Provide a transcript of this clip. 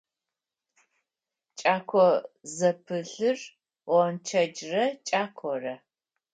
Кӏэко зэпылъыр – гъончэджрэ кӏакорэ.